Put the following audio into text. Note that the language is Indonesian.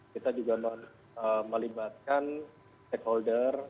kita juga melibatkan stakeholder